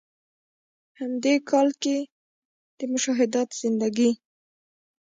هم د ې کال کښې د“مشاهدات زندګي ”